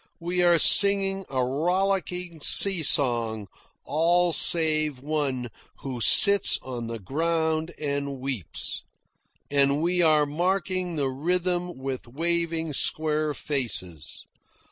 We are singing a rollicking sea song, all save one who sits on the ground and weeps; and we are marking the rhythm with waving square faces.